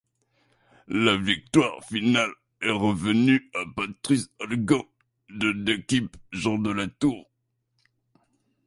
La victoire finale est revenue à Patrice Halgand de l'équipe Jean Delatour.